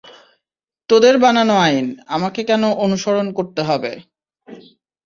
তোদের বানানো আইন, আমাকে কেন অনুসরণ করতে হবে?